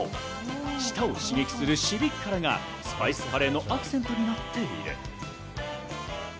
舌を刺激するピリ辛がスパイスカレーのアクセントになっている。